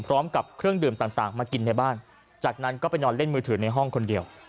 พร้อมกับเครื่องดื่มต่างมากินในบ้านจากนั้นก็ไปนอนเล่นมือถือในห้องคนเดียว